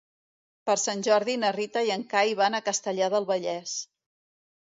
Per Sant Jordi na Rita i en Cai van a Castellar del Vallès.